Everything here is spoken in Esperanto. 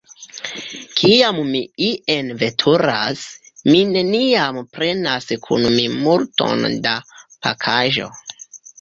Kiam mi ien veturas, mi neniam prenas kun mi multon da pakaĵo.